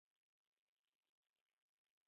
د شمالي امریکا لویه وچه یې په پنځو میاشتو کې ووهله.